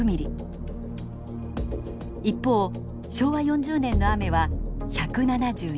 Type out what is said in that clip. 一方昭和４０年の雨は１７２ｍｍ。